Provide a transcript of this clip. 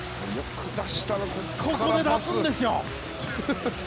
ここから出すんですよ。